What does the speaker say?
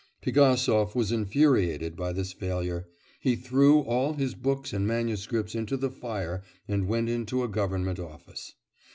Pigasov was infuriated by this failure, he threw all his books and manuscripts into the fire and went into a government office.